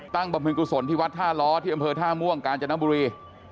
บริเวณกุศลที่วัดท่าล้อที่อำเภอท่าม่วงกาญจนบุรี